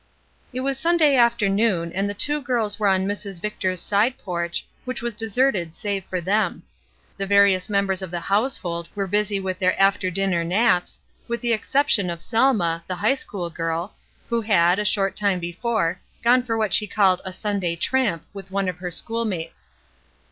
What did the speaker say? It was Sunday afternoon, and the two girls were on Mrs. Victor^s side porch, which was deserted save for them. The various members of the household were busy with their after dinner naps, with the exception of Selma, the high school girl, who had, a short time before, gone for what she called "a Sunday tramp" with one of her schoolmates.